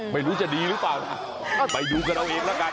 ไม่รู้จะดีหรือเปล่านะไปดูกันเอาเองแล้วกัน